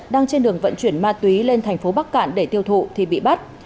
đang trên đường vận chuyển ma túy lên thành phố bắc cạn để tiêu thụ thì bị bắt